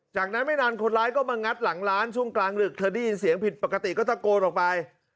จากนั้นไม่นานคนร้ายก็มางัดหลังร้านช่วงกลางดึกเธอได้ยินเสียงผิดปกติก็ตะโกนออกไป